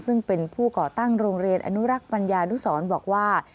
ซึ่งเป็นผู้ก่อตั้งโรงเรียนอนุรักษ์ปัญญานุสรบอกว่า